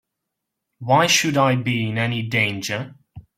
Why should I be in any danger?